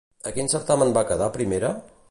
A quin certamen va quedar primera?